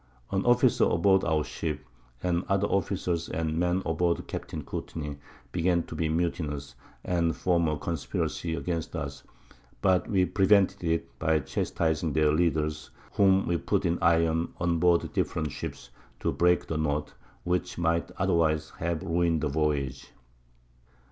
An Officer aboard our Ship, and other Officers and Men aboard Capt. Courtney, began to be mutinous, and form a Conspiracy against us; but we prevented it, by chastising their Leaders, whom we put in Irons, on board different Ships, to break the Knot, which might otherwise have ruin'd the Voyage.